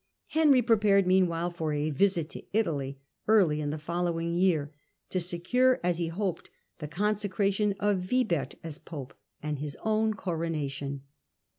Henry prepared metmwhile for a visit to Italy early in the following year, to secure, as he hoped, the consecra tion of Wibert as pope, and his own coronation.